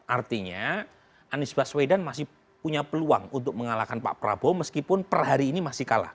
artinya anies baswedan masih punya peluang untuk mengalahkan pak prabowo meskipun per hari ini masih kalah